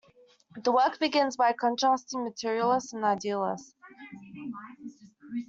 The work begins by contrasting materialists and idealists.